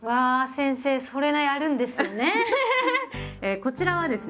こちらはですね